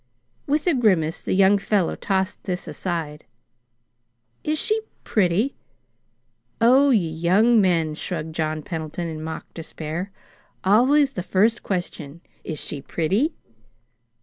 With a grimace the young fellow tossed this aside. "Is she pretty?" "Oh, ye young men!" shrugged John Pendleton, in mock despair. "Always the first question 'Is she pretty?'!"